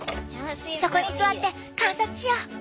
そこに座って観察しよう！